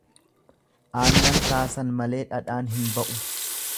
Aannan raasan malee dhadhaan hin ba'u.